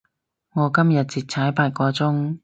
我今日直踩八個鐘